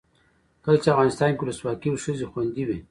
کله چې افغانستان کې ولسواکي وي ښځې خوندي وي.